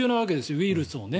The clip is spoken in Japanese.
ウイルスをね。